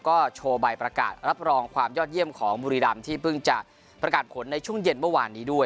ก็โชว์ใบประกาศรับรองความยอดเยี่ยมของบุรีรำที่เพิ่งจะประกาศผลในช่วงเย็นเมื่อวานนี้ด้วย